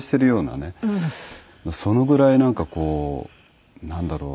そのぐらいなんかこうなんだろう